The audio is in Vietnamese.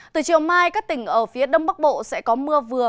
từ chiều mai các tỉnh ở phía đông bắc bộ sẽ có mưa vừa